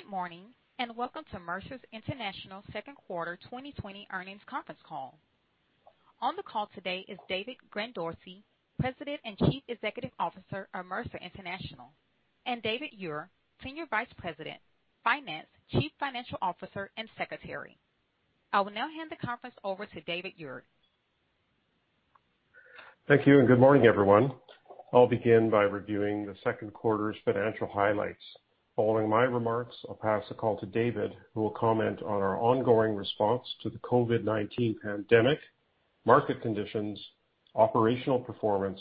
Good morning and welcome to Mercer International second quarter 2020 earnings conference call. On the call today is David Gandossi, President and Chief Executive Officer of Mercer International, and David Ure, Senior Vice President, Finance, Chief Financial Officer, and Secretary. I will now hand the conference over to David Ure. Thank you and good morning, everyone. I'll begin by reviewing the second quarter's financial highlights. Following my remarks, I'll pass the call to David, who will comment on our ongoing response to the COVID-19 pandemic, market conditions, operational performance,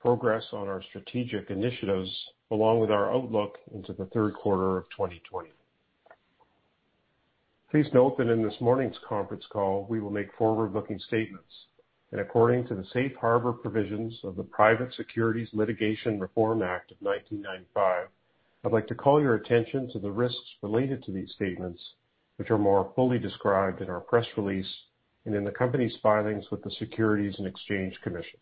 progress on our strategic initiatives, along with our outlook into the third quarter of 2020. Please note that in this morning's conference call, we will make forward-looking statements, and according to the safe harbor provisions of the Private Securities Litigation Reform Act of 1995, I'd like to call your attention to the risks related to these statements, which are more fully described in our press release and in the company's filings with the U.S. Securities and Exchange Commission.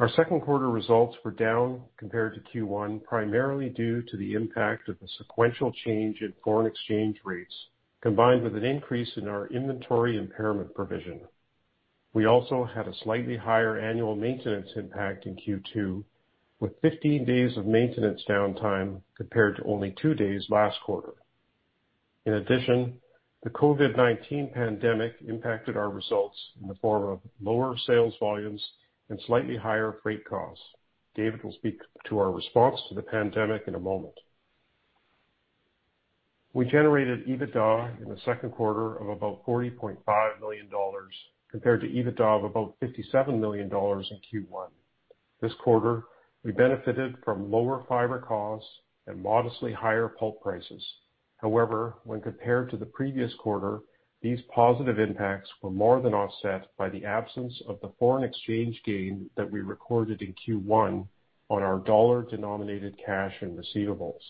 Our second quarter results were down compared to Q1, primarily due to the impact of the sequential change in foreign exchange rates, combined with an increase in our inventory impairment provision. We also had a slightly higher annual maintenance impact in Q2, with 15 days of maintenance downtime compared to only two days last quarter. In addition, the COVID-19 pandemic impacted our results in the form of lower sales volumes and slightly higher freight costs. David will speak to our response to the pandemic in a moment. We generated EBITDA in the second quarter of about $40.5 million compared to EBITDA of about $57 million in Q1. This quarter, we benefited from lower fiber costs and modestly higher pulp prices. However, when compared to the previous quarter, these positive impacts were more than offset by the absence of the foreign exchange gain that we recorded in Q1 on our dollar-denominated cash and receivables.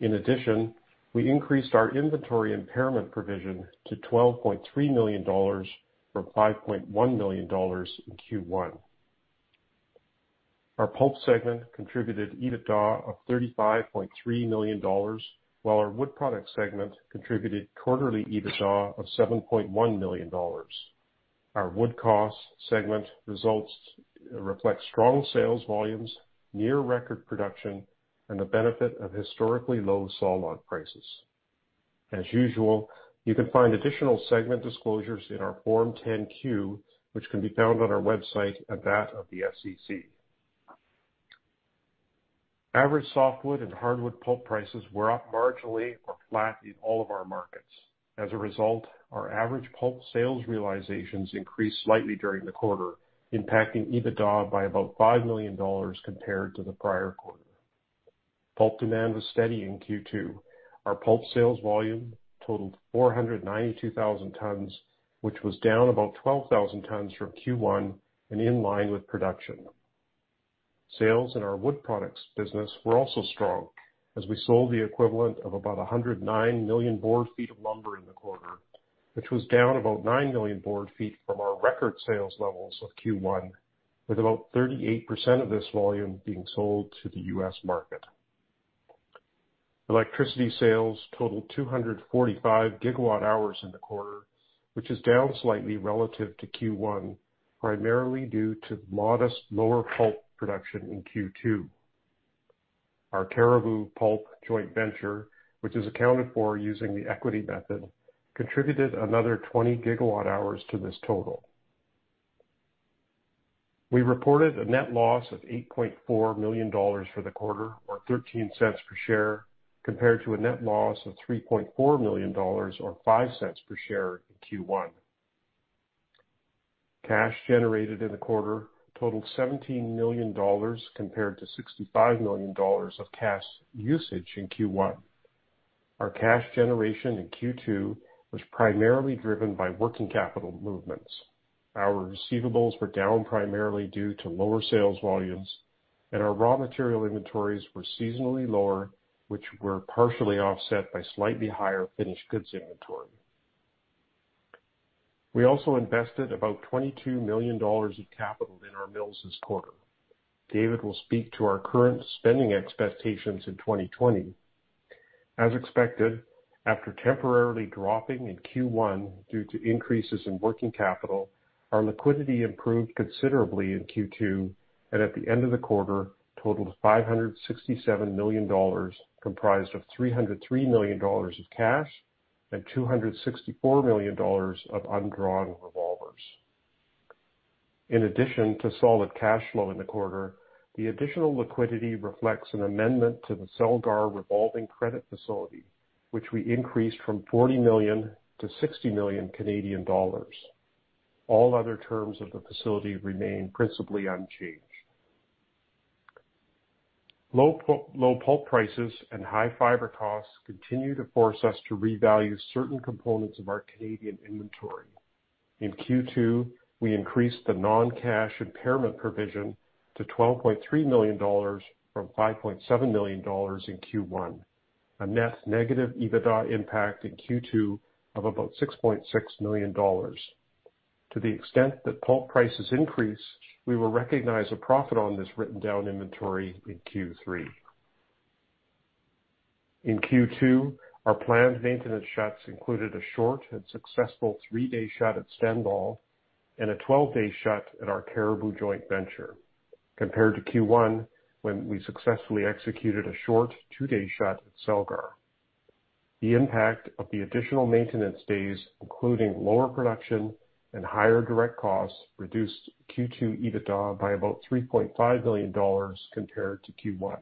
In addition, we increased our inventory impairment provision to $12.3 million from $5.1 million in Q1. Our pulp segment contributed EBITDA of $35.3 million, while our wood products segment contributed quarterly EBITDA of $7.1 million. Our wood products segment results reflect strong sales volumes, near-record production, and the benefit of historically low saw log prices. As usual, you can find additional segment disclosures in our Form 10-Q, which can be found on our website and that of the SEC. Average softwood and hardwood pulp prices were up marginally or flat in all of our markets. As a result, our average pulp sales realizations increased slightly during the quarter, impacting EBITDA by about $5 million compared to the prior quarter. Pulp demand was steady in Q2. Our pulp sales volume totaled 492,000 tons, which was down about 12,000 tons from Q1 and in line with production. Sales in our wood products business were also strong, as we sold the equivalent of about 109 million board feet of lumber in the quarter, which was down about 9 million board feet from our record sales levels of Q1, with about 38% of this volume being sold to the U.S. market. Electricity sales totaled 245 GWh in the quarter, which is down slightly relative to Q1, primarily due to modest lower pulp production in Q2. Our Cariboo Pulp Joint Venture, which is accounted for using the equity method, contributed another 20 GWh to this total. We reported a net loss of $8.4 million for the quarter, or $0.13 per share, compared to a net loss of $3.4 million or $0.05 per share in Q1. Cash generated in the quarter totaled $17 million compared to $65 million of cash usage in Q1. Our cash generation in Q2 was primarily driven by working capital movements. Our receivables were down primarily due to lower sales volumes, and our raw material inventories were seasonally lower, which were partially offset by slightly higher finished goods inventory. We also invested about $22 million in capital in our mills this quarter. David will speak to our current spending expectations in 2020. As expected, after temporarily dropping in Q1 due to increases in working capital, our liquidity improved considerably in Q2, and at the end of the quarter, totaled $567 million, comprised of $303 million of cash and $264 million of undrawn revolvers. In addition to solid cash flow in the quarter, the additional liquidity reflects an amendment to the Celgar Revolving Credit Facility, which we increased from 40 million to 60 million Canadian dollars. All other terms of the facility remain principally unchanged. Low pulp prices and high fiber costs continue to force us to revalue certain components of our Canadian inventory. In Q2, we increased the non-cash impairment provision to $12.3 million from $5.7 million in Q1, a net negative EBITDA impact in Q2 of about $6.6 million. To the extent that pulp prices increase, we will recognize a profit on this written-down inventory in Q3. In Q2, our planned maintenance shuts included a short and successful three-day shut at Stendal, and a 12-day shut at our Cariboo Joint Venture, compared to Q1 when we successfully executed a short two-day shut at Celgar. The impact of the additional maintenance days, including lower production and higher direct costs, reduced Q2 EBITDA by about $3.5 million compared to Q1.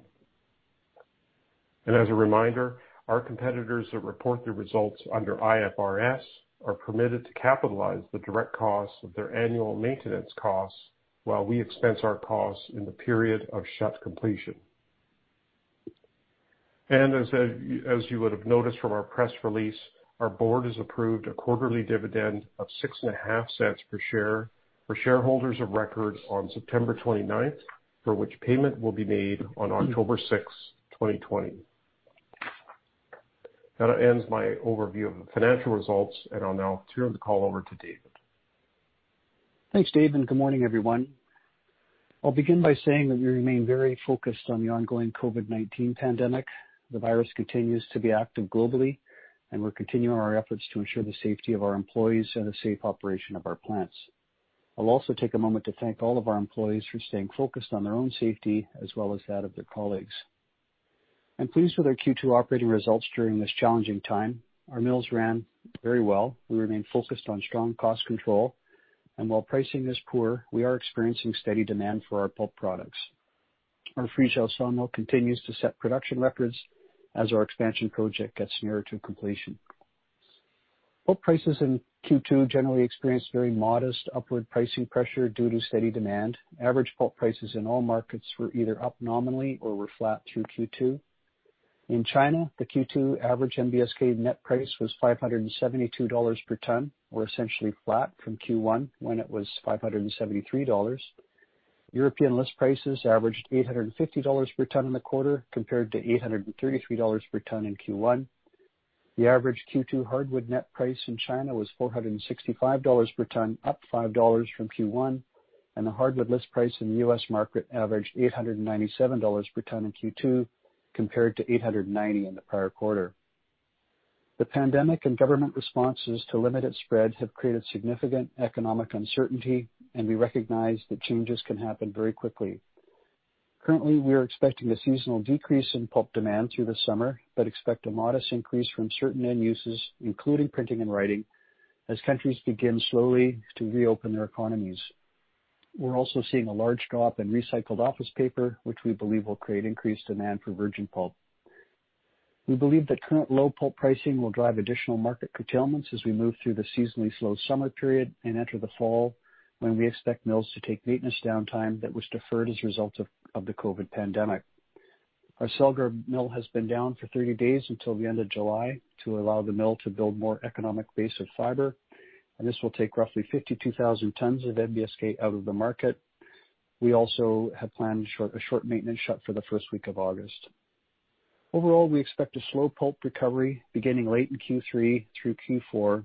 As a reminder, our competitors that report their results under IFRS are permitted to capitalize the direct costs of their annual maintenance costs while we expense our costs in the period of shut completion. As you would have noticed from our press release, our board has approved a quarterly dividend of $6.50 per share for shareholders of record on September 29th, for which payment will be made on October 6th, 2020. That ends my overview of the financial results, and I'll now turn the call over to David. Thanks, David. Good morning, everyone. I'll begin by saying that we remain very focused on the ongoing COVID-19 pandemic. The virus continues to be active globally, and we're continuing our efforts to ensure the safety of our employees and the safe operation of our plants. I'll also take a moment to thank all of our employees for staying focused on their own safety as well as that of their colleagues. I'm pleased with our Q2 operating results during this challenging time. Our mills ran very well. We remain focused on strong cost control, and while pricing is poor, we are experiencing steady demand for our pulp products. Our Friesau sawmill continues to set production records as our expansion project gets nearer to completion. Pulp prices in Q2 generally experienced very modest upward pricing pressure due to steady demand. Average pulp prices in all markets were either up nominally or were flat through Q2. In China, the Q2 average NBSK net price was $572 per ton, or essentially flat from Q1 when it was $573. European list prices averaged $850 per ton in the quarter compared to $833 per ton in Q1. The average Q2 hardwood net price in China was $465 per ton, up $5 from Q1, and the hardwood list price in the U.S. market averaged $897 per ton in Q2 compared to $890 in the prior quarter. The pandemic and government responses to limited spread have created significant economic uncertainty, and we recognize that changes can happen very quickly. Currently, we are expecting a seasonal decrease in pulp demand through the summer but expect a modest increase from certain end uses, including printing and writing, as countries begin slowly to reopen their economies. We're also seeing a large drop in recycled office paper, which we believe will create increased demand for virgin pulp. We believe that current low pulp pricing will drive additional market curtailments as we move through the seasonally slow summer period and enter the fall, when we expect mills to take maintenance downtime that was deferred as a result of the COVID pandemic. Our Celgar mill has been down for 30 days until the end of July to allow the mill to build more economic base of fiber, and this will take roughly 52,000 tons of NBSK out of the market. We also have planned a short maintenance shut for the first week of August. Overall, we expect a slow pulp recovery beginning late in Q3 through Q4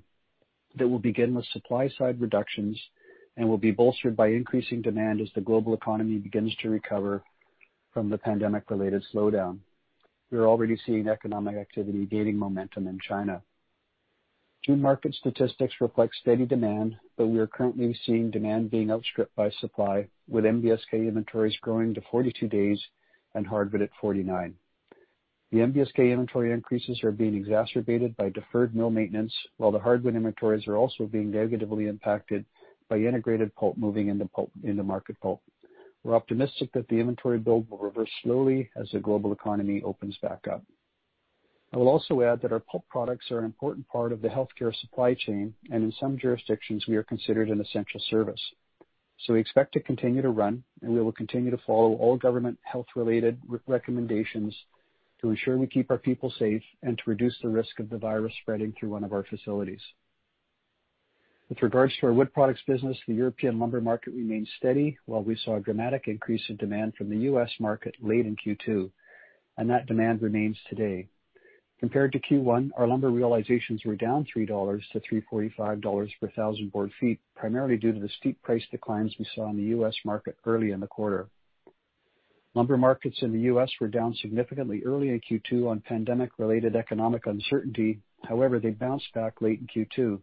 that will begin with supply-side reductions and will be bolstered by increasing demand as the global economy begins to recover from the pandemic-related slowdown. We are already seeing economic activity gaining momentum in China. June market statistics reflect steady demand, but we are currently seeing demand being outstripped by supply, with NBSK inventories growing to 42 days and hardwood at 49. The NBSK inventory increases are being exacerbated by deferred mill maintenance, while the hardwood inventories are also being negatively impacted by integrated pulp moving into market pulp. We're optimistic that the inventory build will reverse slowly as the global economy opens back up. I will also add that our pulp products are an important part of the healthcare supply chain, and in some jurisdictions, we are considered an essential service. We expect to continue to run, and we will continue to follow all government health-related recommendations to ensure we keep our people safe and to reduce the risk of the virus spreading through one of our facilities. With regards to our wood products business, the European lumber market remains steady, while we saw a dramatic increase in demand from the U.S. market late in Q2, and that demand remains today. Compared to Q1, our lumber realizations were down $3-$3.45 per thousand board feet, primarily due to the steep price declines we saw in the U.S. market early in the quarter. Lumber markets in the U.S. were down significantly early in Q2 on pandemic-related economic uncertainty. However, they bounced back late in Q2.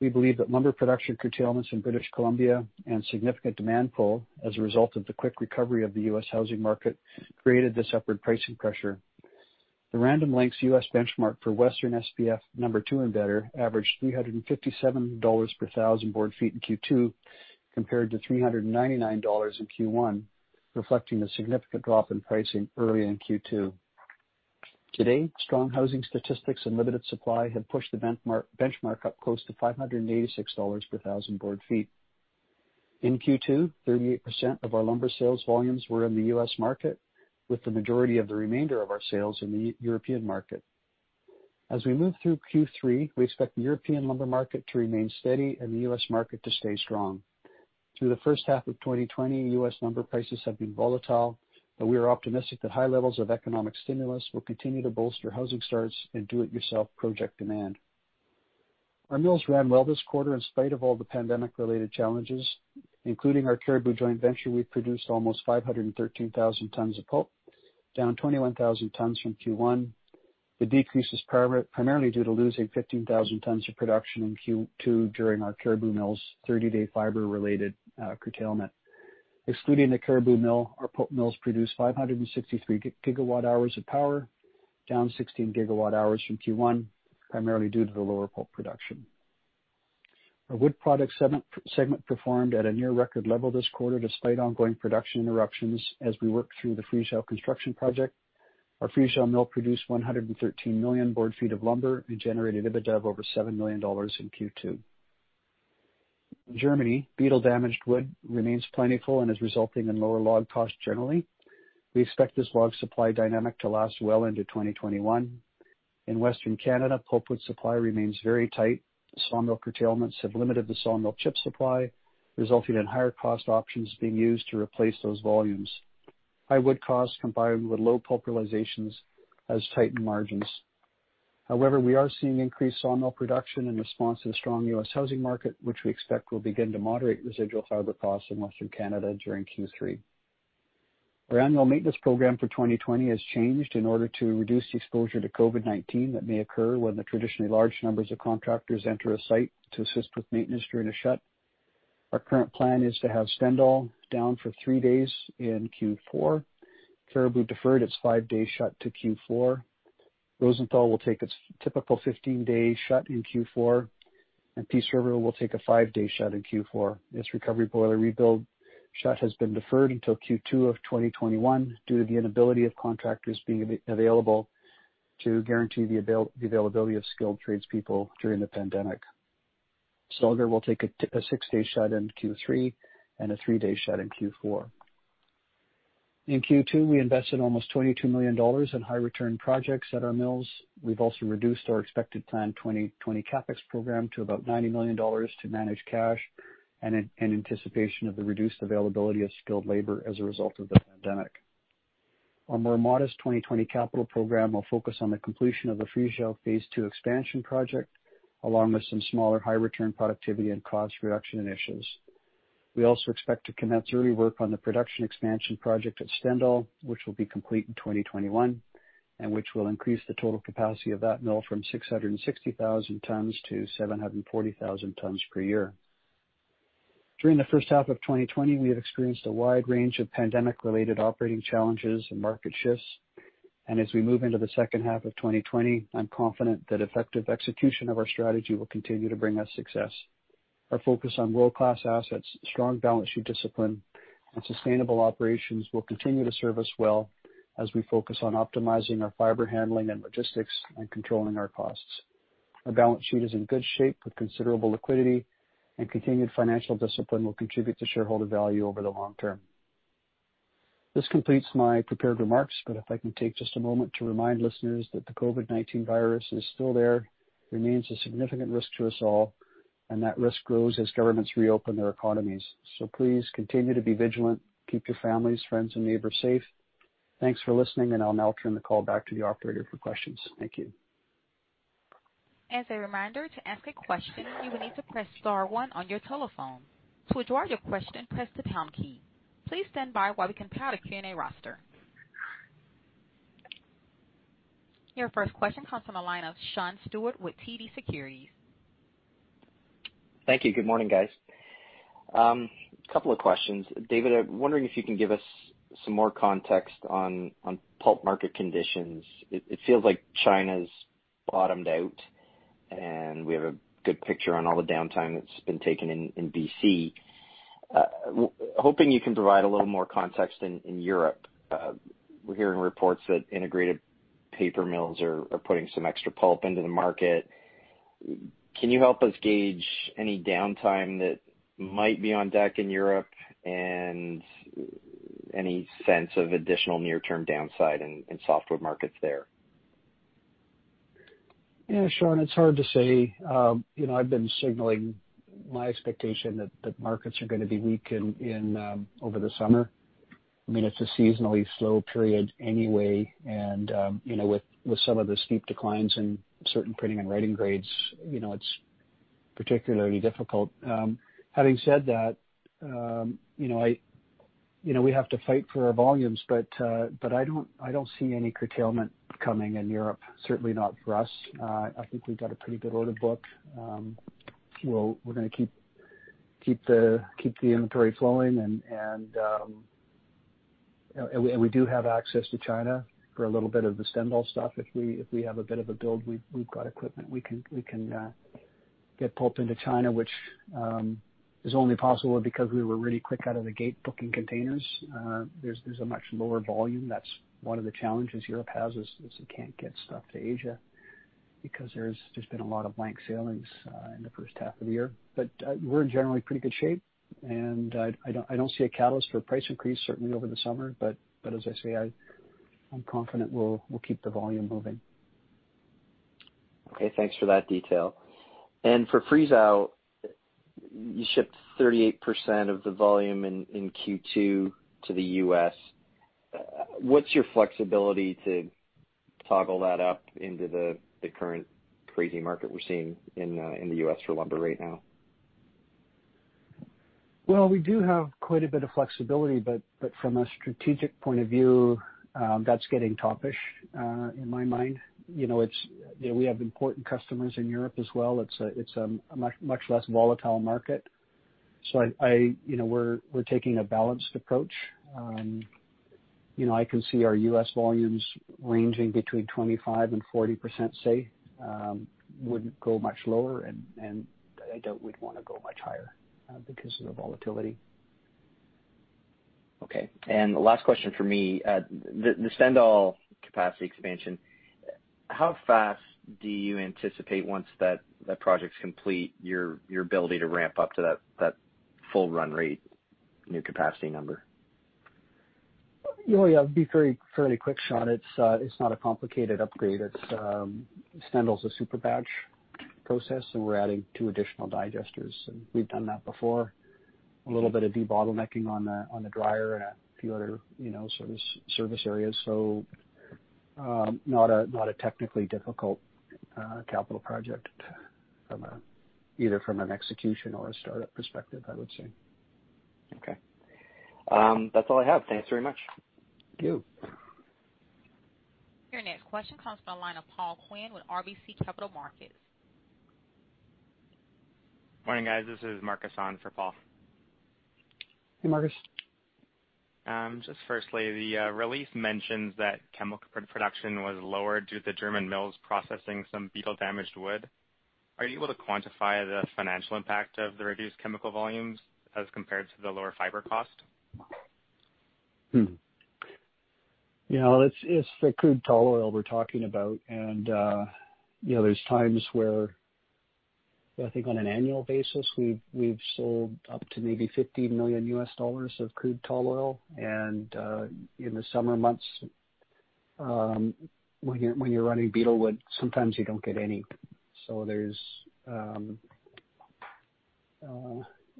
We believe that lumber production curtailments in British Columbia and significant demand pull as a result of the quick recovery of the U.S. Housing market created this upward pricing pressure. The Random Lengths U.S. benchmark for Western SPF number two and better averaged $357 per thousand board feet in Q2 compared to $399 in Q1, reflecting a significant drop in pricing early in Q2. Today, strong housing statistics and limited supply have pushed the benchmark up close to $586 per thousand board feet. In Q2, 38% of our lumber sales volumes were in the U.S. market, with the majority of the remainder of our sales in the European market. As we move through Q3, we expect the European lumber market to remain steady and the U.S. market to stay strong. Through the first half of 2020, U.S. lumber prices have been volatile, but we are optimistic that high levels of economic stimulus will continue to bolster housing starts and do-it-yourself project demand. Our mills ran well this quarter in spite of all the pandemic-related challenges, including our Cariboo Joint Venture. We produced almost 513,000 tons of pulp, down 21,000 tons from Q1. The decrease is primarily due to losing 15,000 tons of production in Q2 during our Cariboo Mill's 30-day fiber-related curtailment. Excluding the Cariboo Mill, our pulp mills produced 563 GWh of power, down 16 GWh from Q1, primarily due to the lower pulp production. Our wood product segment performed at a near-record level this quarter despite ongoing production interruptions as we worked through the Friesau construction project. Our Friesau mill produced 113 million board feet of lumber and generated EBITDA of over $7 million in Q2. In Germany, beetle-damaged wood remains plentiful and is resulting in lower log costs generally. We expect this log supply dynamic to last well into 2021. In Western Canada, pulpwood supply remains very tight. Sawmill curtailments have limited the sawmill chip supply, resulting in higher cost options being used to replace those volumes. High wood costs combined with low pulp realizations has tightened margins. However, we are seeing increased sawmill production in response to the strong U.S. housing market, which we expect will begin to moderate residual fiber costs in Western Canada during Q3. Our annual maintenance program for 2020 has changed in order to reduce exposure to COVID-19 that may occur when the traditionally large numbers of contractors enter a site to assist with maintenance during a shut. Our current plan is to have Stendal down for three days in Q4. Cariboo deferred its five-day shut to Q4. Rosenthal will take its typical 15-day shut in Q4, and Peace River will take a five-day shut in Q4. Its recovery boiler rebuild shut has been deferred until Q2 of 2021 due to the inability of contractors being available to guarantee the availability of skilled tradespeople during the pandemic. Celgar will take a six-day shut in Q3 and a three-day shut in Q4. In Q2, we invested almost $22 million in high-return projects at our mills. We've also reduced our expected planned 2020 CapEx program to about $90 million to manage cash in anticipation of the reduced availability of skilled labor as a result of the pandemic. Our more modest 2020 capital program will focus on the completion of the Friesau phase II expansion project, along with some smaller high-return productivity and cost reduction initiatives. We also expect to commence early work on the production expansion project at Stendal, which will be complete in 2021, and which will increase the total capacity of that mill from 660,000 tons to 740,000 tons per year. During the first half of 2020, we have experienced a wide range of pandemic-related operating challenges and market shifts, and as we move into the second half of 2020, I'm confident that effective execution of our strategy will continue to bring us success. Our focus on world-class assets, strong balance sheet discipline, and sustainable operations will continue to serve us well as we focus on optimizing our fiber handling and logistics and controlling our costs. Our balance sheet is in good shape with considerable liquidity, and continued financial discipline will contribute to shareholder value over the long term. This completes my prepared remarks, but if I can take just a moment to remind listeners that the COVID-19 virus is still there, remains a significant risk to us all, and that risk grows as governments reopen their economies. So please continue to be vigilant. Keep your families, friends, and neighbors safe. Thanks for listening, and I'll now turn the call back to the operator for questions. Thank you. As a reminder, to ask a question, you will need to press star one on your telephone. To withdraw your question, press the pound key. Please stand by while we compile the Q&A roster. Your first question comes from the line of Sean Steuart with TD Securities. Thank you. Good morning, guys. A couple of questions. David, I'm wondering if you can give us some more context on pulp market conditions. It feels like China's bottomed out, and we have a good picture on all the downtime that's been taken in BC. Hoping you can provide a little more context in Europe. We're hearing reports that integrated paper mills are putting some extra pulp into the market. Can you help us gauge any downtime that might be on deck in Europe and any sense of additional near-term downside in softwood markets there? Yeah, Sean, it's hard to say. I've been signaling my expectation that markets are going to be weak over the summer. I mean, it's a seasonally slow period anyway, and with some of the steep declines in certain printing and writing grades, it's particularly difficult. Having said that, we have to fight for our volumes, but I don't see any curtailment coming in Europe, certainly not for us. I think we've got a pretty good order book. We're going to keep the inventory flowing, and we do have access to China for a little bit of the Stendal stuff. If we have a bit of a build, we've got equipment. We can get pulp into China, which is only possible because we were really quick out of the gate booking containers. There's a much lower volume. That's one of the challenges Europe has is they can't get stuff to Asia because there's been a lot of blank sailings in the first half of the year. But we're in generally pretty good shape, and I don't see a catalyst for a price increase, certainly over the summer. But as I say, I'm confident we'll keep the volume moving. Okay. Thanks for that detail. And for Friesau, you shipped 38% of the volume in Q2 to the U.S. What's your flexibility to toggle that up into the current crazy market we're seeing in the U.S. for lumber right now? We do have quite a bit of flexibility, but from a strategic point of view, that's getting top-ish in my mind. We have important customers in Europe as well. It's a much less volatile market. So we're taking a balanced approach. I can see our U.S. volumes ranging between 25% and 40%, say, would go much lower, and I don't want to go much higher because of the volatility. Okay. And the last question for me, the Stendal capacity expansion. How fast do you anticipate, once that project's complete, your ability to ramp up to that full run rate new capacity number? Yeah, I'll be fairly quick, Sean. It's not a complicated upgrade. Stendal's a SuperBatch process, and we're adding two additional digesters. We've done that before, a little bit of debottlenecking on the dryer and a few other service areas. So not a technically difficult capital project, either from an execution or a startup perspective, I would say. Okay. That's all I have. Thanks very much. Thank you. Your next question comes from the line of Paul Quinn with RBC Capital Markets. Morning, guys. This is Marcus on for Paul. Hey, Marcus. Just firstly, the release mentions that chemical production was lower due to the German mills processing some beetle-damaged wood. Are you able to quantify the financial impact of the reduced chemical volumes as compared to the lower fiber cost? Yeah. Well, it's the crude tall oil we're talking about. And there are times where I think on an annual basis, we've sold up to maybe $15 million of crude tall oil. And in the summer months, when you're running beetle wood, sometimes you don't get any. So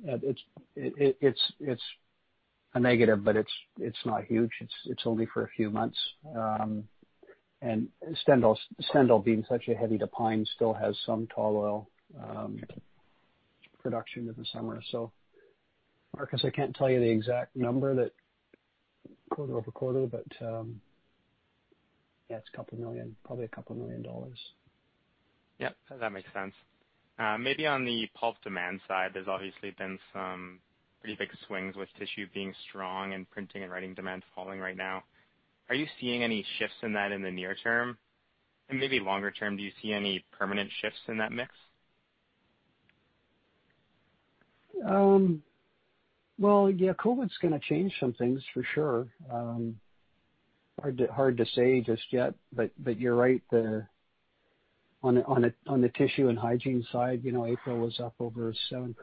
it's a negative, but it's not huge. It's only for a few months. And Stendal, being such a heavy-depine, still has some tall oil production in the summer. So, Marcus, I can't tell you the exact number, quarter over quarter, but yeah, it's a couple of million, probably a couple of million dollars. Yep. That makes sense. Maybe on the pulp demand side, there's obviously been some pretty big swings with tissue being strong and printing and writing demand falling right now. Are you seeing any shifts in that in the near term? And maybe longer term, do you see any permanent shifts in that mix? Yeah, COVID's going to change some things, for sure. Hard to say just yet, but you're right. On the tissue and hygiene side, April was up over 7%.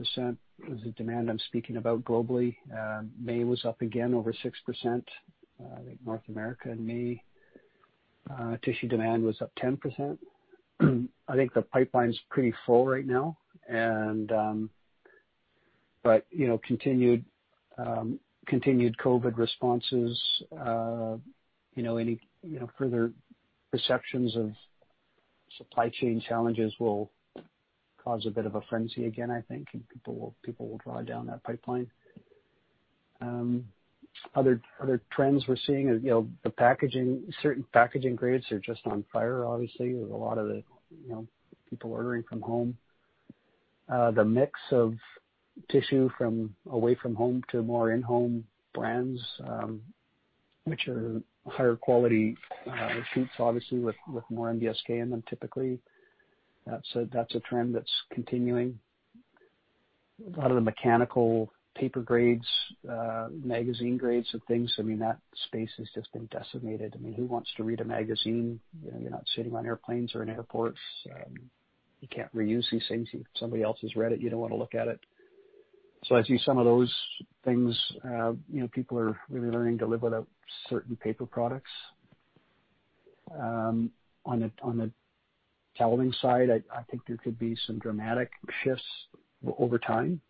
It was the demand I'm speaking about globally. May was up again over 6%. I think North America in May, tissue demand was up 10%. I think the pipeline's pretty full right now. But continued COVID responses, any further perceptions of supply chain challenges will cause a bit of a frenzy again, I think, and people will draw down that pipeline. Other trends we're seeing are certain packaging grades are just on fire, obviously, with a lot of the people ordering from home. The mix of tissue from away from home to more in-home brands, which are higher quality sheets, obviously, with more NBSK in them typically. That's a trend that's continuing. A lot of the mechanical paper grades, magazine grades of things, I mean, that space has just been decimated. I mean, who wants to read a magazine? You're not sitting on airplanes or in airports. You can't reuse these things. Somebody else has read it. You don't want to look at it. So I see some of those things. People are really learning to live without certain paper products. On the toweling side, I think there could be some dramatic shifts over time.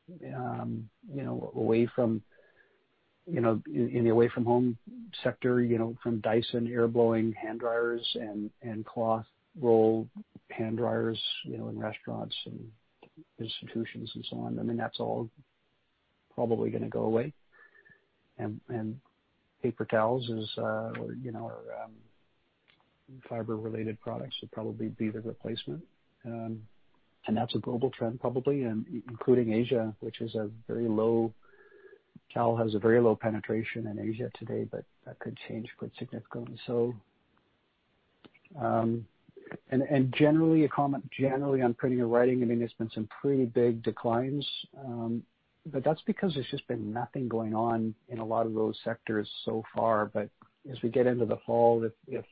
Away from in the away-from-home sector, from Dyson air-blowing hand dryers and cloth roll hand dryers in restaurants and institutions and so on. I mean, that's all probably going to go away. And paper towels or fiber-related products will probably be the replacement. That's a global trend, probably, including Asia, which has very low tissue penetration in Asia today, but that could change quite significantly. Generally, on printing and writing, I mean, there's been some pretty big declines. That's because there's just been nothing going on in a lot of those sectors so far. As we get into the fall, if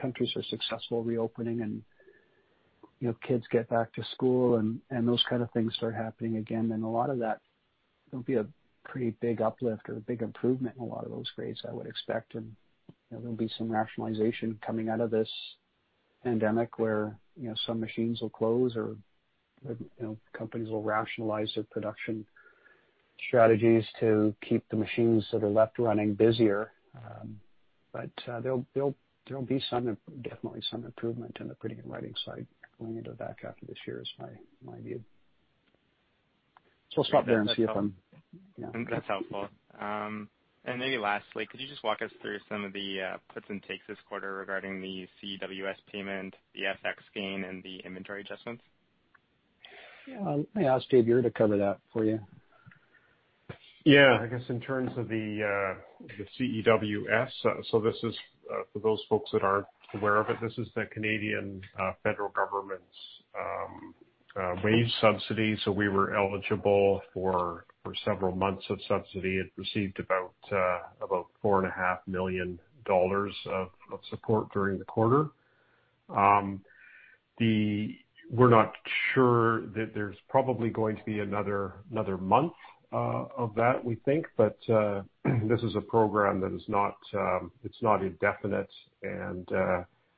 countries are successful reopening and kids get back to school and those kind of things start happening again, then a lot of that will be a pretty big uplift or a big improvement in a lot of those grades, I would expect. There'll be some rationalization coming out of this pandemic where some machines will close or companies will rationalize their production strategies to keep the machines that are left running busier. But there'll be definitely some improvement in the printing and writing side going into the back half of this year, is my view. So I'll stop there and see if I'm. That's helpful. And maybe lastly, could you just walk us through some of the puts and takes this quarter regarding the CEWS payment, the FX gain, and the inventory adjustments? Yeah. Let me ask David to cover that for you. Yeah. I guess in terms of the CEWS, so this is for those folks that aren't aware of it. This is the Canadian federal government's wage subsidy. So we were eligible for several months of subsidy and received about $4.5 million of support during the quarter. We're not sure that there's probably going to be another month of that, we think. But this is a program that is not it's not indefinite, and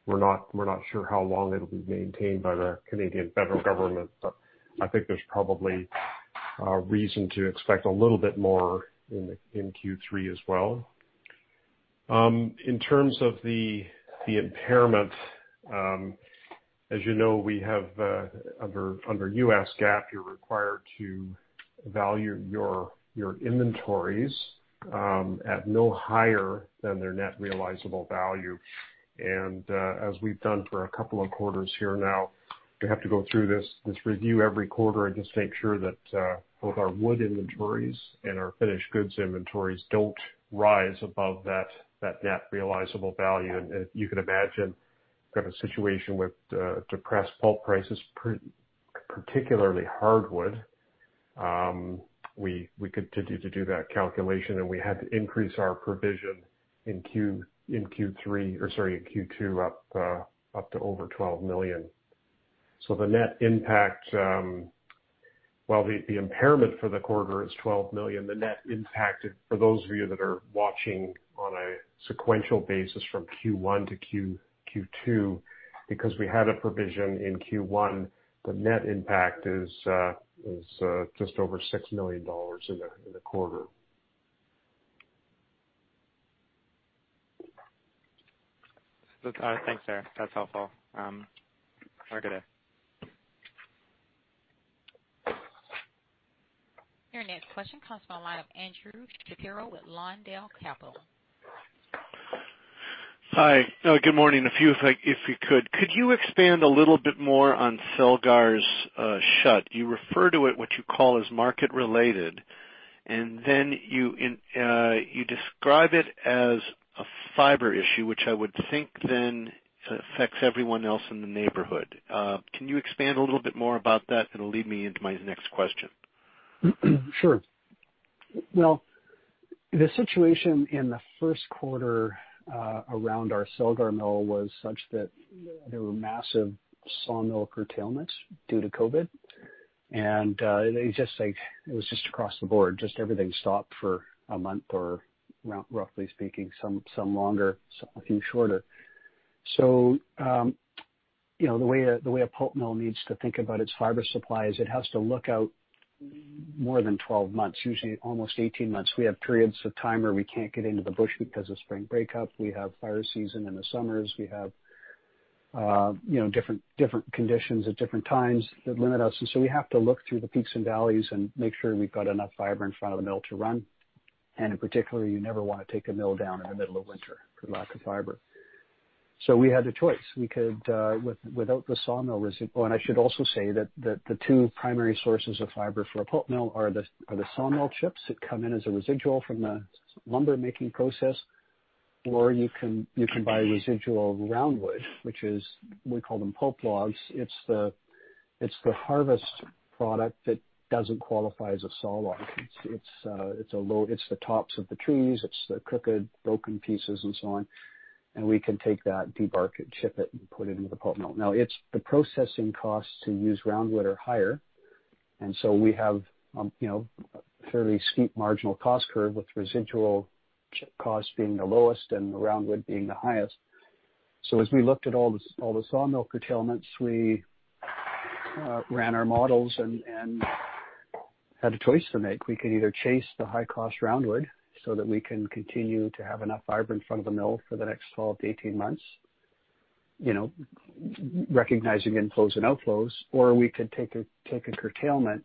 we're not sure how long it'll be maintained by the Canadian federal government. But I think there's probably reason to expect a little bit more in Q3 as well. In terms of the impairment, as you know, under U.S. GAAP, you're required to value your inventories at no higher than their net realizable value. And as we've done for a couple of quarters here now, we have to go through this review every quarter and just make sure that both our wood inventories and our finished goods inventories don't rise above that net realizable value. And you can imagine we've got a situation with depressed pulp prices, particularly hardwood. We continued to do that calculation, and we had to increase our provision in Q3 or sorry, in Q2 up to over $12 million. So the net impact, while the impairment for the quarter is $12 million, the net impact for those of you that are watching on a sequential basis from Q1 to Q2, because we had a provision in Q1, the net impact is just over $6 million in the quarter. Thanks, sir. That's helpful. Have a good day. Your next question comes from a line of Andrew Shapiro with Lawndale Capital. Hi. Good morning. If you could, could you expand a little bit more on Celgar's shut? You refer to it, what you call, as market-related, and then you describe it as a fiber issue, which I would think then affects everyone else in the neighborhood. Can you expand a little bit more about that? It'll lead me into my next question. Sure. Well, the situation in the first quarter around our Celgar mill was such that there were massive sawmill curtailments due to COVID, and it was just across the board. Just everything stopped for a month or, roughly speaking, some longer, a few shorter, so the way a pulp mill needs to think about its fiber supply is it has to look out more than 12 months, usually almost 18 months. We have periods of time where we can't get into the bush because of spring breakup. We have fire season in the summers. We have different conditions at different times that limit us, and so we have to look through the peaks and valleys and make sure we've got enough fiber in front of the mill to run, and in particular, you never want to take a mill down in the middle of winter for lack of fiber. So we had a choice. Without the sawmill residual, and I should also say that the two primary sources of fiber for a pulp mill are the sawmill chips that come in as a residual from the lumber-making process, or you can buy residual roundwood, which is we call them pulp logs. It's the harvest product that doesn't qualify as a saw log. It's the tops of the trees. It's the crooked, broken pieces, and so on. And we can take that, debark it, chip it, and put it into the pulp mill. Now, the processing costs to use roundwood are higher. And so we have a fairly steep marginal cost curve with residual cost being the lowest and the roundwood being the highest. So as we looked at all the sawmill curtailments, we ran our models and had a choice to make. We could either chase the high-cost roundwood so that we can continue to have enough fiber in front of the mill for the next 12-18 months, recognizing inflows and outflows, or we could take a curtailment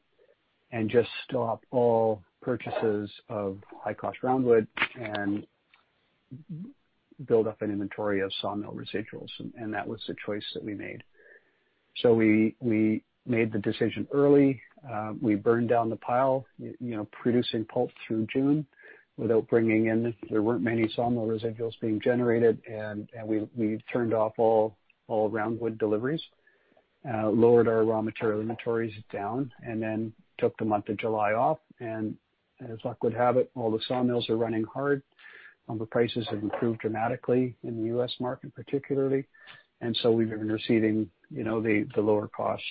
and just stop all purchases of high-cost roundwood and build up an inventory of sawmill residuals, and that was the choice that we made, so we made the decision early. We burned down the pile, producing pulp through June without bringing in, there weren't many sawmill residuals being generated, and we turned off all roundwood deliveries, lowered our raw material inventories down, and then took the month of July off, and as luck would have it, all the sawmills are running hard. Lumber prices have improved dramatically in the U.S. market, particularly, and so we've been receiving the lower-cost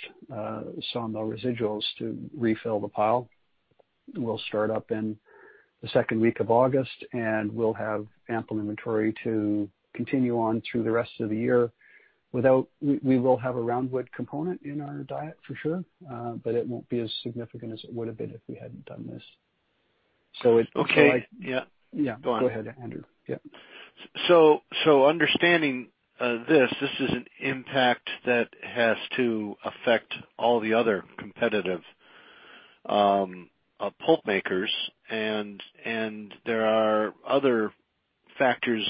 sawmill residuals to refill the pile. We'll start up in the second week of August, and we'll have ample inventory to continue on through the rest of the year. We will have a roundwood component in our diet, for sure, but it won't be as significant as it would have been if we hadn't done this. So it. Okay. Yeah. Go on. Go ahead, Andrew. Yeah. So understanding this, this is an impact that has to affect all the other competitive pulp makers. And there are other factors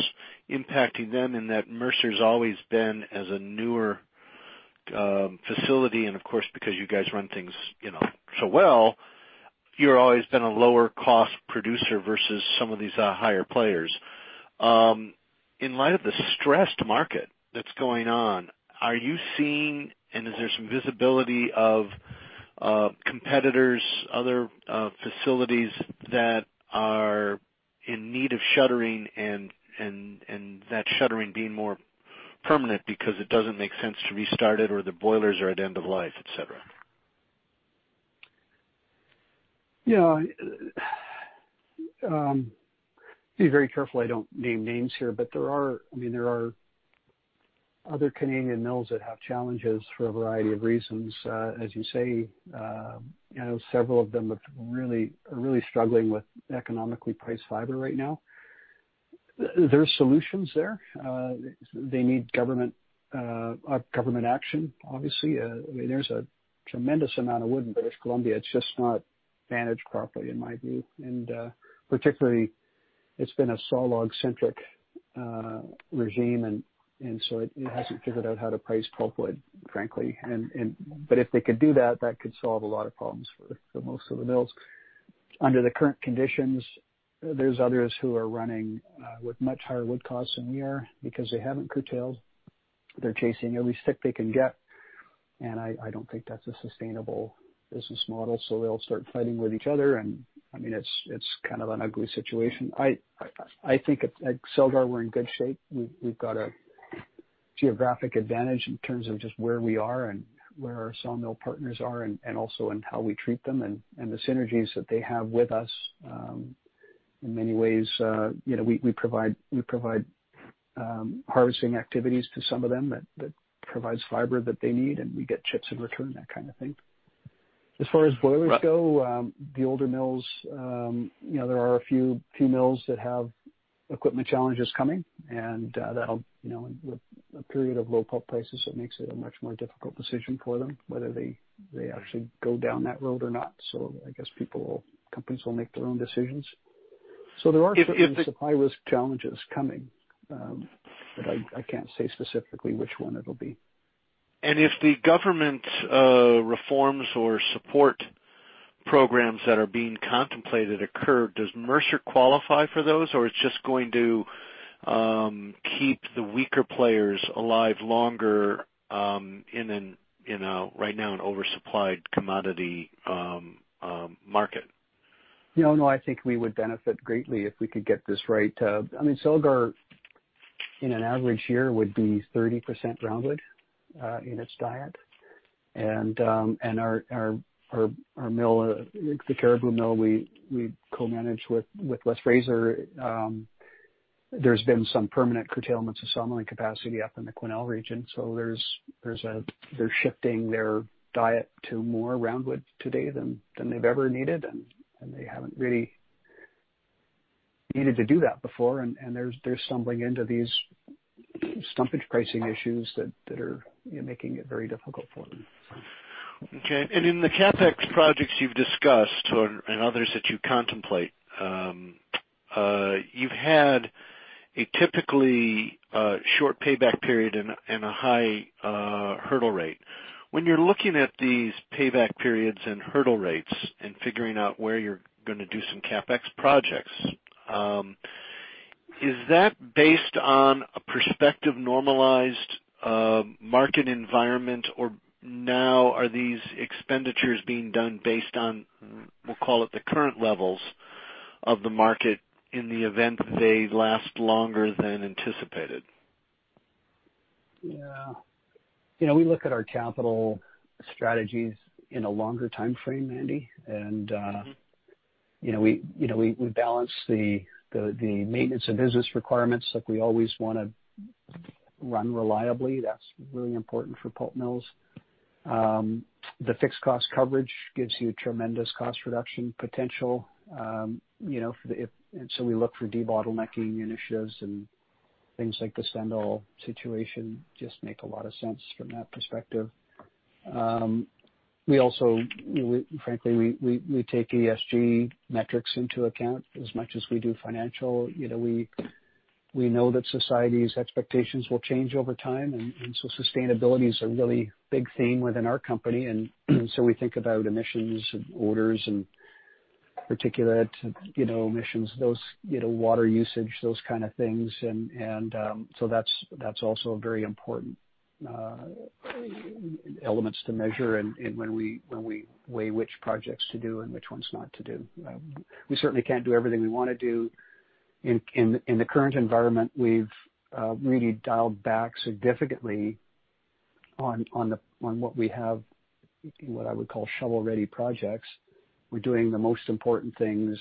impacting them in that Mercer's always been as a newer facility. And of course, because you guys run things so well, you've always been a lower-cost producer versus some of these higher players. In light of the stressed market that's going on, are you seeing and is there some visibility of competitors, other facilities that are in need of shuttering and that shuttering being more permanent because it doesn't make sense to restart it or the boilers are at end of life, etc.? Yeah. Be very careful I don't name names here, but I mean, there are other Canadian mills that have challenges for a variety of reasons. As you say, several of them are really struggling with economically priced fiber right now. There are solutions there. They need government action, obviously. I mean, there's a tremendous amount of wood in British Columbia. It's just not managed properly, in my view, and particularly, it's been a saw log-centric regime, and so it hasn't figured out how to price pulp wood, frankly, but if they could do that, that could solve a lot of problems for most of the mills. Under the current conditions, there's others who are running with much higher wood costs than we are because they haven't curtailed. They're chasing every stick they can get, and I don't think that's a sustainable business model, so they'll start fighting with each other. And I mean, it's kind of an ugly situation. I think at Celgar, we're in good shape. We've got a geographic advantage in terms of just where we are and where our sawmill partners are and also in how we treat them and the synergies that they have with us. In many ways, we provide harvesting activities to some of them that provide fiber that they need, and we get chips in return, that kind of thing. As far as boilers go, the older mills, there are a few mills that have equipment challenges coming. And with a period of low pulp prices, it makes it a much more difficult decision for them whether they actually go down that road or not. So I guess companies will make their own decisions. So there are certainly supply risk challenges coming, but I can't say specifically which one it'll be. If the government reforms or support programs that are being contemplated occur, does Mercer qualify for those, or it's just going to keep the weaker players alive longer right now in an oversupplied commodity market? No, I think we would benefit greatly if we could get this right. I mean, Celgar, in an average year, would be 30% roundwood in its diet. And our mill, the Cariboo Mill, we co-manage with West Fraser. There's been some permanent curtailments of sawmilling capacity up in the Quesnel region. So they're shifting their diet to more roundwood today than they've ever needed. And they haven't really needed to do that before. And they're stumbling into these stumpage pricing issues that are making it very difficult for them. Okay. And in the CapEx projects you've discussed and others that you contemplate, you've had a typically short payback period and a high hurdle rate. When you're looking at these payback periods and hurdle rates and figuring out where you're going to do some CapEx projects, is that based on a prospective normalized market environment? Or now, are these expenditures being done based on, we'll call it, the current levels of the market in the event they last longer than anticipated? Yeah. We look at our capital strategies in a longer time frame, Andy. We balance the maintenance of business requirements. We always want to run reliably. That's really important for pulp mills. The fixed cost coverage gives you tremendous cost reduction potential. We look for debottlenecking initiatives and things like the Stendal situation just make a lot of sense from that perspective. We also, frankly, take ESG metrics into account as much as we do financial. We know that society's expectations will change over time. Sustainability is a really big theme within our company. We think about emissions and odors and particulate emissions, water usage, those kind of things. That's also very important elements to measure when we weigh which projects to do and which ones not to do. We certainly can't do everything we want to do. In the current environment, we've really dialed back significantly on what we have, what I would call, shovel-ready projects. We're doing the most important things.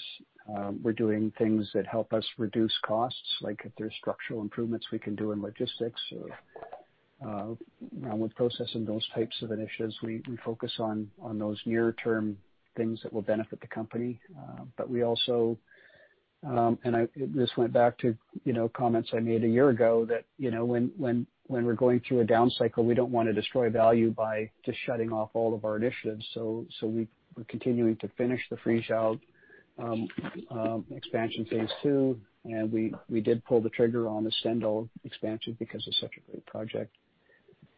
We're doing things that help us reduce costs, like if there's structural improvements we can do in logistics or roundwood processing. Those types of initiatives, we focus on those near-term things that will benefit the company. But we also, and this went back to comments I made a year ago, that when we're going through a down cycle, we don't want to destroy value by just shutting off all of our initiatives. So we're continuing to finish the Friesau expansion phase II. And we did pull the trigger on the Stendal expansion because it's such a great project.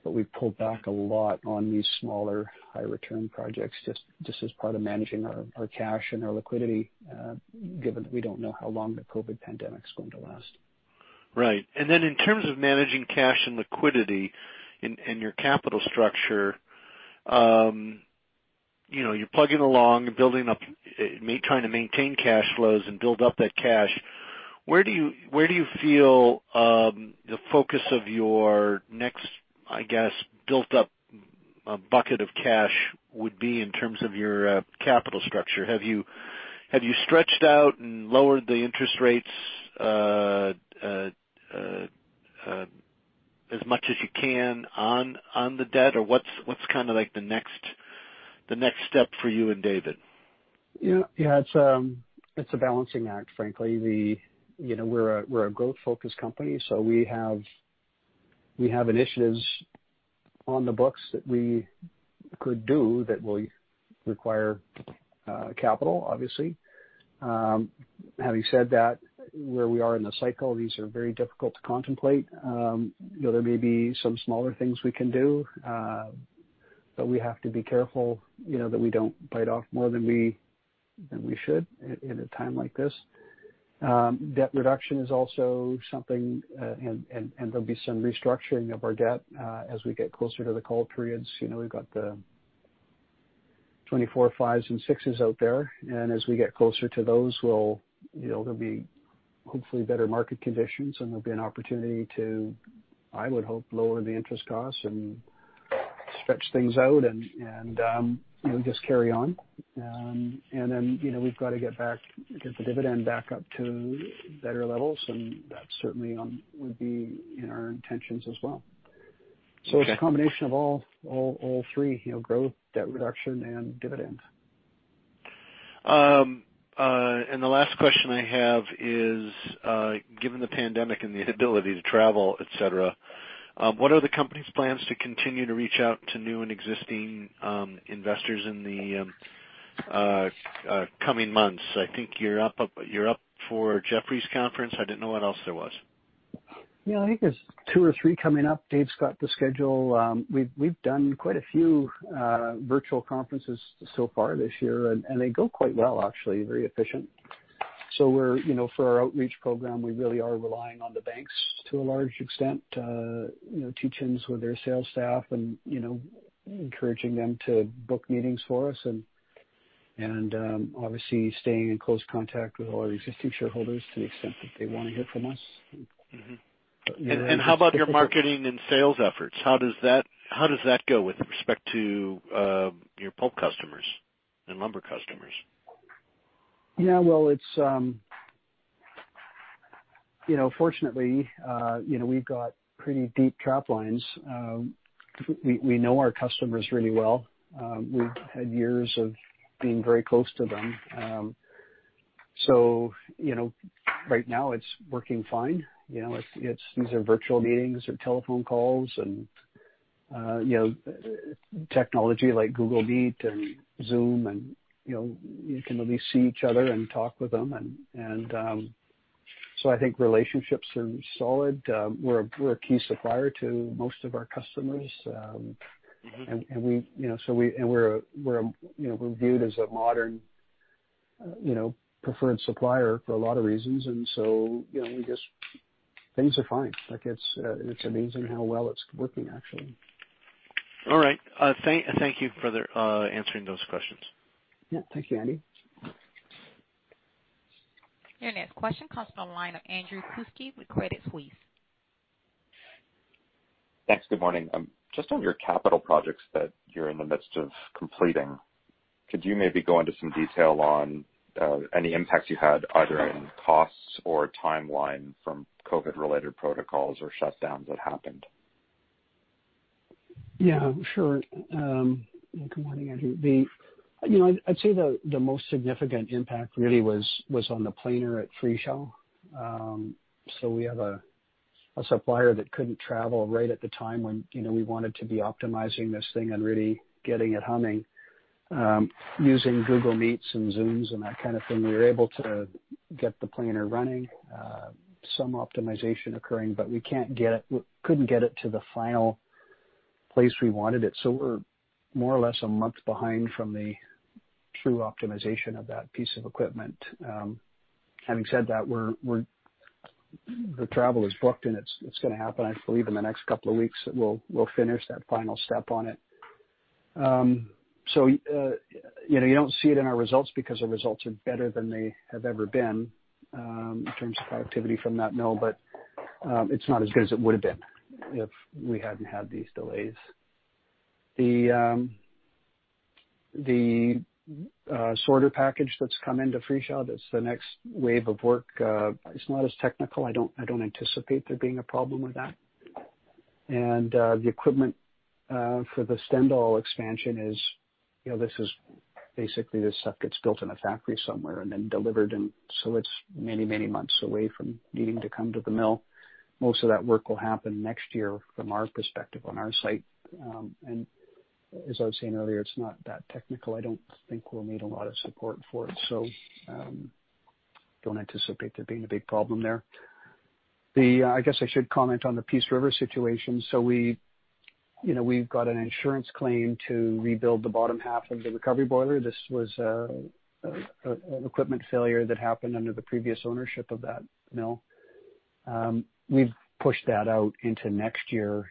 But we've pulled back a lot on these smaller high-return projects just as part of managing our cash and our liquidity, given that we don't know how long the COVID pandemic is going to last. Right. And then in terms of managing cash and liquidity and your capital structure, you're plugging along and trying to maintain cash flows and build up that cash. Where do you feel the focus of your next, I guess, built-up bucket of cash would be in terms of your capital structure? Have you stretched out and lowered the interest rates as much as you can on the debt? Or what's kind of the next step for you and David? Yeah. It's a balancing act, frankly. We're a growth-focused company. So we have initiatives on the books that we could do that will require capital, obviously. Having said that, where we are in the cycle, these are very difficult to contemplate. There may be some smaller things we can do, but we have to be careful that we don't bite off more than we should in a time like this. Debt reduction is also something. And there'll be some restructuring of our debt as we get closer to the call periods. We've got the 24, 5s, and 6s out there. And as we get closer to those, there'll be hopefully better market conditions, and there'll be an opportunity to, I would hope, lower the interest costs and stretch things out and just carry on. And then we've got to get the dividend back up to better levels. And that certainly would be in our intentions as well. So it's a combination of all three, growth, debt reduction, and dividend. The last question I have is, given the pandemic and the inability to travel, etc., what are the company's plans to continue to reach out to new and existing investors in the coming months? I think you're up for Jefferies conference. I didn't know what else there was. Yeah. I think there's two or three coming up. Dave's got the schedule. We've done quite a few virtual conferences so far this year, and they go quite well, actually, very efficient. So for our outreach program, we really are relying on the banks to a large extent, teach-ins with their sales staff, and encouraging them to book meetings for us, and obviously staying in close contact with all our existing shareholders to the extent that they want to hear from us. How about your marketing and sales efforts? How does that go with respect to your pulp customers and lumber customers? Yeah, well, fortunately, we've got pretty deep trap lines. We know our customers really well. We've had years of being very close to them, so right now, it's working fine. These are virtual meetings or telephone calls and technology like Google Meet and Zoom, and you can at least see each other and talk with them, and so I think relationships are solid. We're a key supplier to most of our customers, and so we're viewed as a modern preferred supplier for a lot of reasons, and so things are fine. It's amazing how well it's working, actually. All right. Thank you for answering those questions. Yeah. Thank you, Andy. Your next question comes from a line of Andrew Kuske with Credit Suisse. Thanks. Good morning. Just on your capital projects that you're in the midst of completing, could you maybe go into some detail on any impacts you had, either in costs or timeline from COVID-related protocols or shutdowns that happened? Yeah. Sure. Good morning, Andrew. I'd say the most significant impact really was on the planer at Friesau, so we have a supplier that couldn't travel right at the time when we wanted to be optimizing this thing and really getting it humming. Using Google Meet and Zoom and that kind of thing, we were able to get the planer running, some optimization occurring, but we couldn't get it to the final place we wanted it, so we're more or less a month behind from the true optimization of that piece of equipment. Having said that, the travel is booked, and it's going to happen, I believe, in the next couple of weeks. We'll finish that final step on it. You don't see it in our results because our results are better than they have ever been in terms of productivity from that mill, but it's not as good as it would have been if we hadn't had these delays. The sorter package that's come into Friesau, that's the next wave of work. It's not as technical. I don't anticipate there being a problem with that. And the equipment for the Stendal expansion is basically this stuff gets built in a factory somewhere and then delivered. And so it's many, many months away from needing to come to the mill. Most of that work will happen next year from our perspective on our site. And as I was saying earlier, it's not that technical. I don't think we'll need a lot of support for it. So don't anticipate there being a big problem there. I guess I should comment on the Peace River situation. So we've got an insurance claim to rebuild the bottom half of the recovery boiler. This was an equipment failure that happened under the previous ownership of that mill. We've pushed that out into next year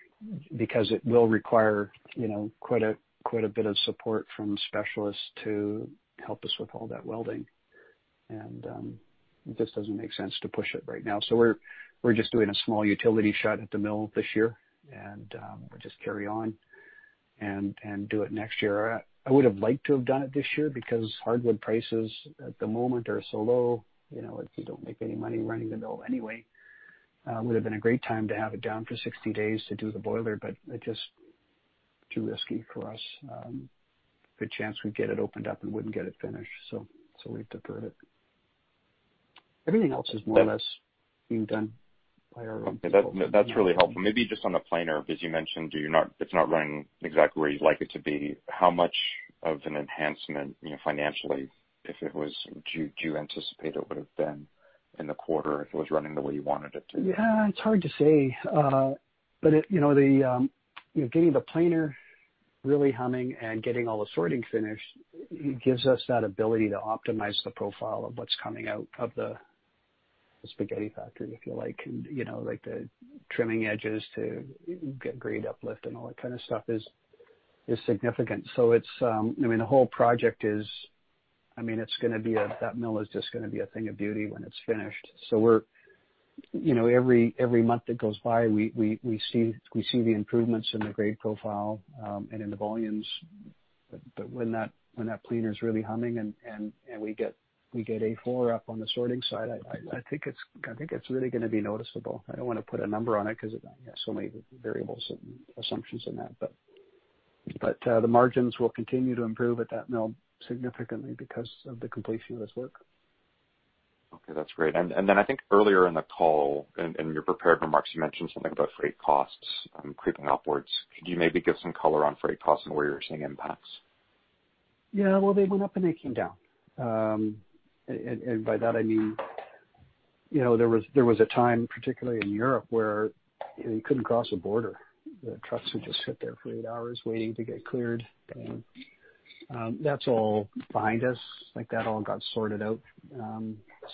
because it will require quite a bit of support from specialists to help us with all that welding. And it just doesn't make sense to push it right now. So we're just doing a small utility shut at the mill this year, and we'll just carry on and do it next year. I would have liked to have done it this year because hardwood prices at the moment are so low. If you don't make any money running the mill anyway, it would have been a great time to have it down for 60 days to do the boiler, but it's just too risky for us. The chance we'd get it opened up and wouldn't get it finished. So we've deferred it. Everything else is more or less being done by our own people. That's really helpful. Maybe just on the planer, because you mentioned it's not running exactly where you'd like it to be. How much of an enhancement financially, if it was, do you anticipate it would have been in the quarter if it was running the way you wanted it to? Yeah. It's hard to say. But getting the planer really humming and getting all the sorting finished gives us that ability to optimize the profile of what's coming out of the spaghetti factory, if you like. And the trimming edges to get grade uplift and all that kind of stuff is significant. So I mean, the whole project is, it's going to be that mill is just going to be a thing of beauty when it's finished. So every month that goes by, we see the improvements in the grade profile and in the volumes. But when that planer is really humming and we get A4 up on the sorting side, I think it's really going to be noticeable. I don't want to put a number on it because there's so many variables and assumptions in that. But the margins will continue to improve at that mill significantly because of the completion of this work. Okay. That's great. And then I think earlier in the call, in your prepared remarks, you mentioned something about freight costs creeping upwards. Could you maybe give some color on freight costs and where you're seeing impacts? Yeah. Well, they went up and they came down. And by that, I mean there was a time, particularly in Europe, where you couldn't cross a border. The trucks would just sit there for eight hours waiting to get cleared. And that's all behind us. That all got sorted out.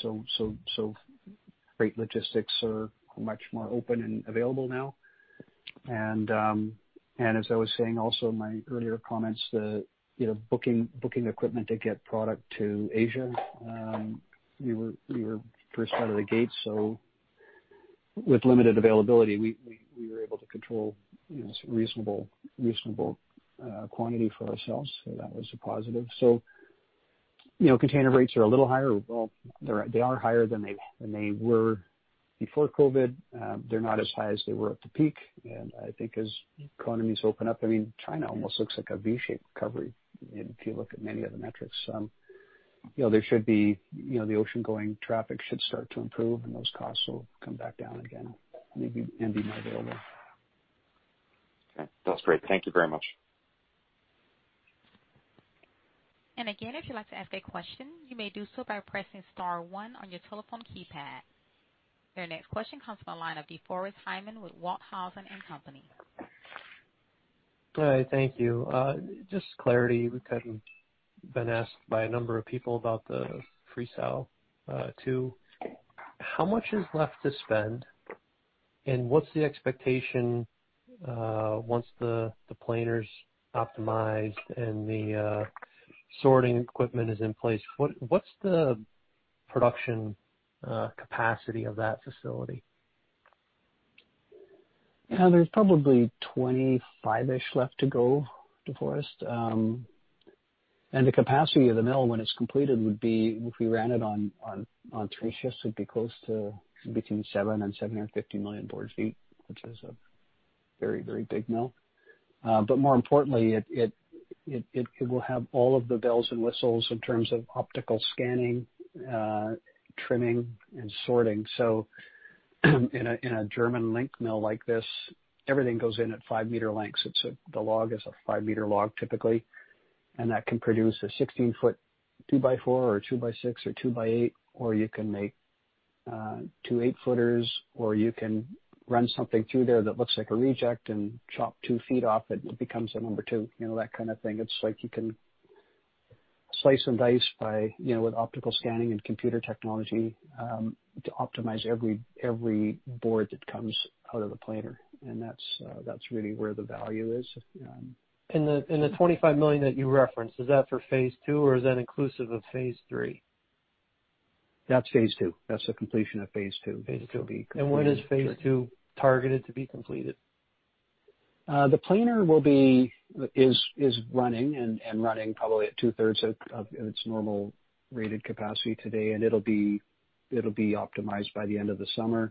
So freight logistics are much more open and available now. And as I was saying also in my earlier comments, the booking equipment to get product to Asia, we were first out of the gate. So with limited availability, we were able to control a reasonable quantity for ourselves. So that was a positive. So container rates are a little higher. Well, they are higher than they were before COVID. They're not as high as they were at the peak. I think as economies open up, I mean, China almost looks like a V-shaped recovery if you look at many of the metrics. The ocean-going traffic should start to improve, and those costs will come back down again and be more available. Okay. That's great. Thank you very much. Again, if you'd like to ask a question, you may do so by pressing star one on your telephone keypad. Your next question comes from a line of DeForest Hinman with Wellington and Company. Hi. Thank you. Just clarity. We've been asked by a number of people about the Friesau too. How much is left to spend, and what's the expectation once the planer's optimized and the sorting equipment is in place? What's the production capacity of that facility? Yeah. There's probably 25-ish left to go to DeForest. And the capacity of the mill, when it's completed, would be if we ran it on three shifts, it'd be close to between 70 million and 75 million board feet, which is a very, very big mill. But more importantly, it will have all of the bells and whistles in terms of optical scanning, trimming, and sorting. So in a German lumber mill like this, everything goes in at five-meter lengths. The log is a five-meter log typically. And that can produce a 16-foot 2x4 or 2x6 or 2x8, or you can make 2x8 footers, or you can run something through there that looks like a reject and chop two feet off, and it becomes a number two, that kind of thing. It's like you can slice and dice with optical scanning and computer technology to optimize every board that comes out of the planer, and that's really where the value is. The 25 million that you referenced, is that for phase II, or is that inclusive of phase II? That's phase II. That's the completion of phase II. Phase II. When is phase II targeted to be completed? The planer is running and running probably at two-thirds of its normal rated capacity today. It will be optimized by the end of the summer.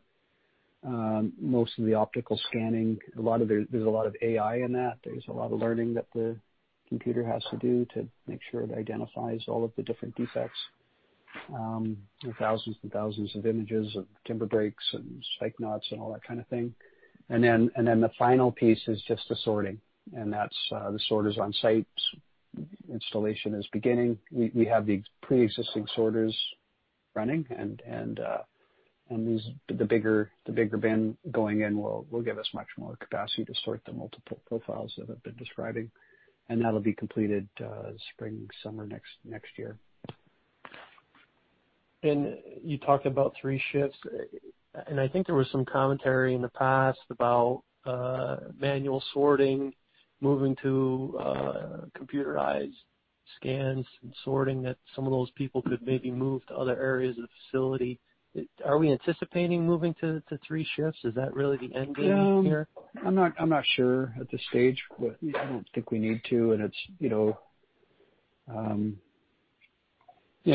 Most of the optical scanning, there's a lot of AI in that. There's a lot of learning that the computer has to do to make sure it identifies all of the different defects, thousands and thousands of images of timber breaks and spike knots and all that kind of thing. Then the final piece is just the sorting. That's the sorters on site. Installation is beginning. We have the pre-existing sorters running. The bigger bin going in will give us much more capacity to sort the multiple profiles that I've been describing. That'll be completed spring, summer next year. You talked about three shifts. I think there was some commentary in the past about manual sorting, moving to computerized scans and sorting that some of those people could maybe move to other areas of the facility. Are we anticipating moving to three shifts? Is that really the end game here? I'm not sure at this stage, but I don't think we need to.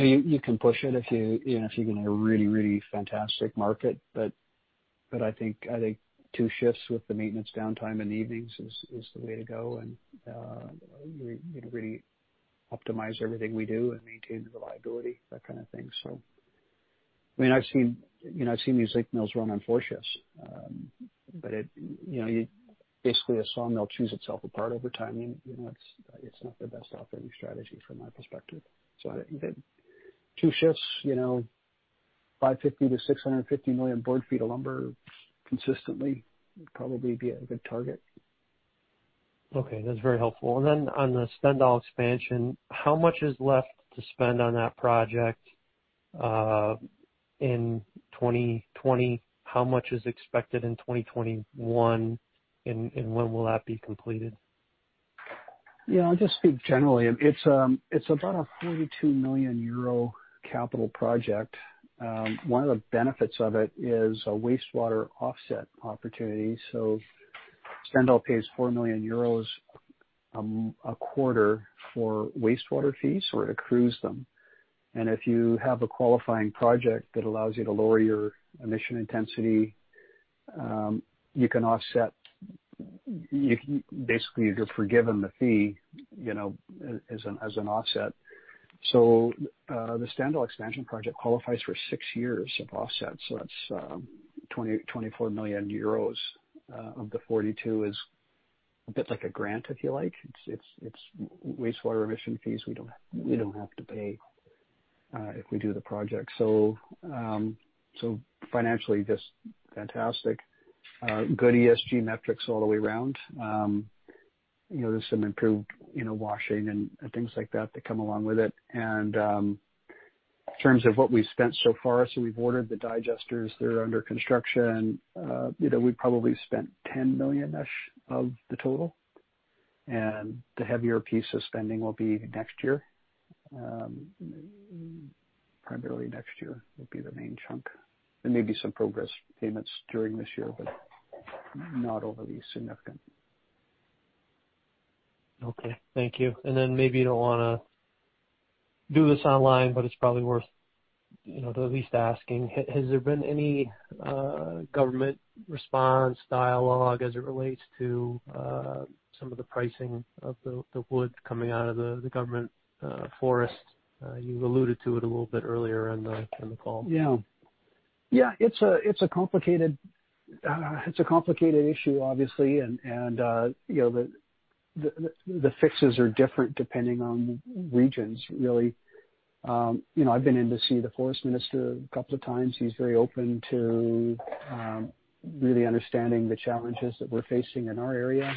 You can push it if you're in a really, really fantastic market. I think two shifts with the maintenance downtime in the evenings is the way to go. You can really optimize everything we do and maintain the reliability, that kind of thing. I mean, I've seen these lumber mills run on four shifts. Basically, a sawmill chews itself apart over time. It's not the best operating strategy from my perspective. Two shifts, 550 million-650 million board feet of lumber consistently would probably be a good target. Okay. That's very helpful. And then on the Stendal expansion, how much is left to spend on that project in 2020? How much is expected in 2021? And when will that be completed? Yeah. I'll just speak generally. It's about a 42 million euro capital project. One of the benefits of it is a wastewater offset opportunity. So Stendal pays 4 million euros a quarter for wastewater fees or to accrue them. And if you have a qualifying project that allows you to lower your emission intensity, you can offset. Basically, you're forgiven the fee as an offset. So the Stendal expansion project qualifies for six years of offset. So that's 24 million euros of the 42 million is a bit like a grant, if you like. It's wastewater emission fees we don't have to pay if we do the project. So financially, just fantastic. Good ESG metrics all the way around. There's some improved washing and things like that that come along with it. And in terms of what we've spent so far, so we've ordered the digesters. They're under construction. We probably spent $10 million-ish of the total. And the heavier piece of spending will be next year. Primarily next year will be the main chunk. There may be some progress payments during this year, but not overly significant. Okay. Thank you. And then maybe you don't want to do this online, but it's probably worth at least asking. Has there been any government response, dialogue as it relates to some of the pricing of the wood coming out of the government forest? You alluded to it a little bit earlier in the call. Yeah. Yeah. It's a complicated issue, obviously. And the fixes are different depending on regions, really. I've been in to see the forest minister a couple of times. He's very open to really understanding the challenges that we're facing in our area.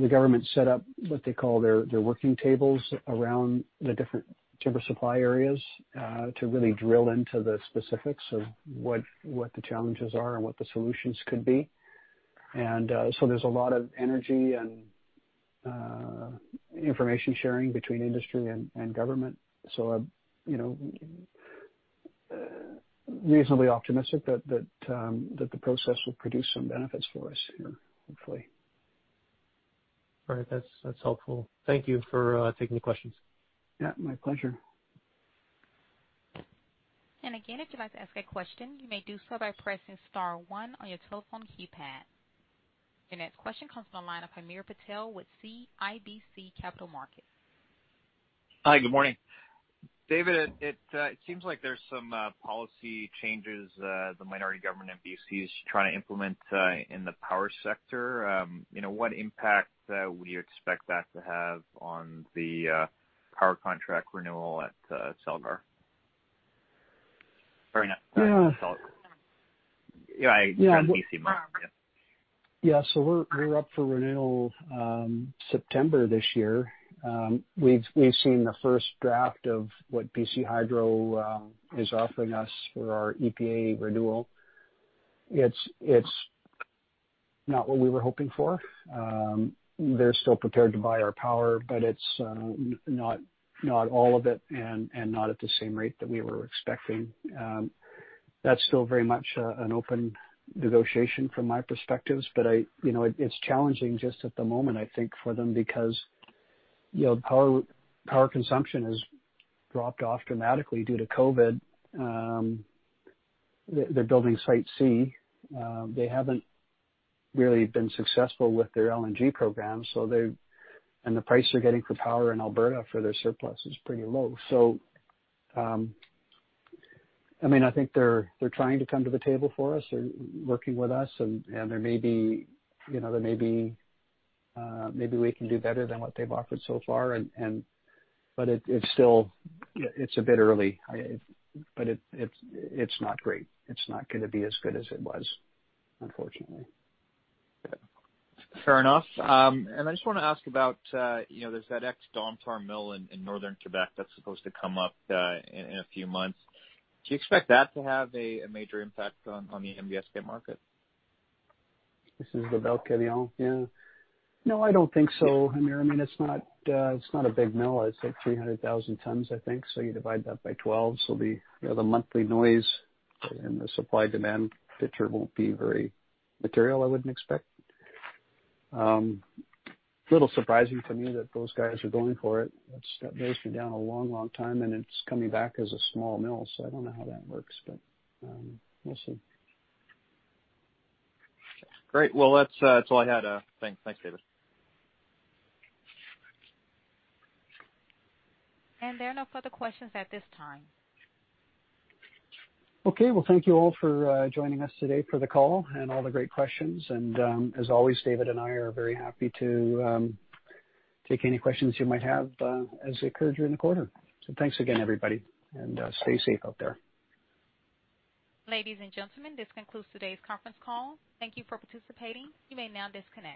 The government set up what they call their working tables around the different timber supply areas to really drill into the specifics of what the challenges are and what the solutions could be. And so there's a lot of energy and information sharing between industry and government. So I'm reasonably optimistic that the process will produce some benefits for us here, hopefully. All right. That's helpful. Thank you for taking the questions. Yeah. My pleasure. Again, if you'd like to ask a question, you may do so by pressing star one on your telephone keypad. Your next question comes from a line of Hamir Patel with CIBC Capital Markets. Hi. Good morning. David, it seems like there's some policy changes the minority government in B.C. is trying to implement in the power sector. What impact would you expect that to have on the power contract renewal at Celgar? Sorry. Yeah. So we're up for renewal September this year. We've seen the first draft of what BC Hydro is offering us for our EPA renewal. It's not what we were hoping for. They're still prepared to buy our power, but it's not all of it and not at the same rate that we were expecting. That's still very much an open negotiation from my perspective. But it's challenging just at the moment, I think, for them because power consumption has dropped off dramatically due to COVID. They're building Site C. They haven't really been successful with their LNG program. And the price they're getting for power in Alberta for their surplus is pretty low. So I mean, I think they're trying to come to the table for us. They're working with us. And there may be maybe we can do better than what they've offered so far. But it's a bit early. But it's not great. It's not going to be as good as it was, unfortunately. Fair enough, and I just want to ask about, there's that ex-Domtar mill in northern Quebec that's supposed to come up in a few months. Do you expect that to have a major impact on the NBSK market? This is the Lebel-sur-Quévillon. Yeah. No, I don't think so. I mean, it's not a big mill. It's like 300,000 tons, I think. So you divide that by 12. So the monthly noise and the supply-demand picture won't be very material, I wouldn't expect. A little surprising to me that those guys are going for it. That one's been down a long, long time, and it's coming back as a small mill. So I don't know how that works, but we'll see. Great. Well, that's all I had. Thanks, David. There are no further questions at this time. Okay. Well, thank you all for joining us today for the call and all the great questions. And as always, David and I are very happy to take any questions you might have as they occur during the quarter. So thanks again, everybody. And stay safe out there. Ladies and gentlemen, this concludes today's conference call. Thank you for participating. You may now disconnect.